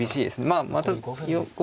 まあまた５